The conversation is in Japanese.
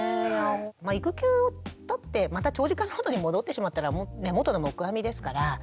育休を取ってまた長時間労働に戻ってしまったら元の木阿弥ですからね。